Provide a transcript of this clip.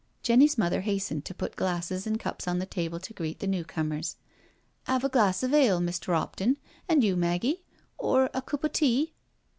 Jenny's mother hastened to put glasses and cups on the table to greet the new comers. " 'Ave a glass of ale, Mr. 'Opton—and you, Maggie? ... or a coop o' tea?"